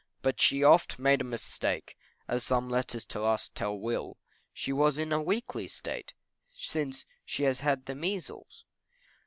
But she oft made a mistake, As some letters to us tell will, She was in a weakly state, Since she has had the measles.